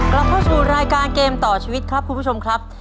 กลับเข้าสู่รายการเกมต่อชีวิตครับคุณผู้ชมครับ